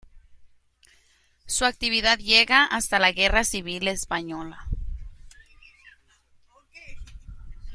Su actividad llega hasta la guerra civil española.